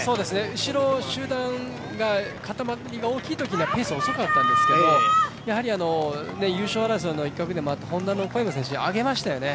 後ろ集団が塊が大きいときにはペース遅かったんですけど優勝争いの一角で、Ｈｏｎｄａの小山選手、上げましたよね。